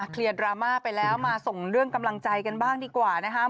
ดราม่าไปแล้วมาส่งเรื่องกำลังใจกันบ้างดีกว่านะครับ